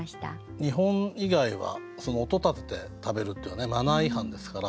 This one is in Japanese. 日本以外は音立てて食べるっていうのはマナー違反ですから。